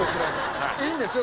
いいんですよ